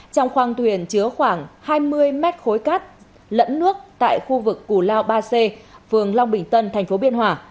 trong khoang thuyền chứa khoảng hai mươi mét khối cát lẫn nước tại khu vực củ lao ba c phường long bình tân thành phố biên hòa